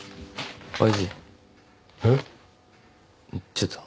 ちょっと。